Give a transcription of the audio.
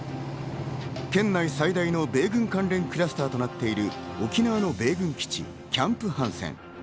県内最大の米軍関連クラスターとなっている沖縄の米軍基地キャンプ・ハンセン。